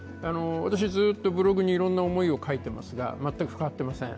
私ずっとブログにいろんな思いを書いてますが、変わってません。